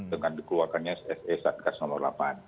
dengan dikeluarkannya sse satkas nomor delapan